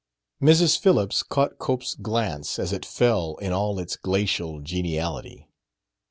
Mrs. Phillips caught Cope's glance as it fell in all its glacial geniality.